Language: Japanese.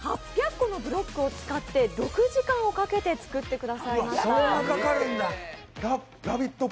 ８００個のブロックを使って６時間かけて作ってくださいました「ラヴィット！」